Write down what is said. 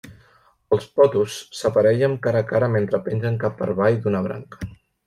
Els potos s'aparellen cara a cara mentre pengen cap per avall d'una branca.